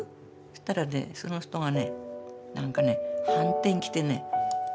そしたらねその人がねなんかねはんてん着てね。